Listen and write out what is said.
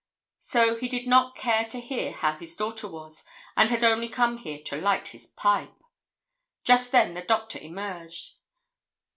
So he did not care to hear how his daughter was, and had only come here to light his pipe! Just then the Doctor emerged.